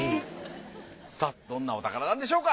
さあどんなお宝なんでしょうか。